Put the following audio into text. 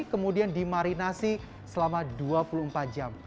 kemudian dimarinasi selama dua puluh empat jam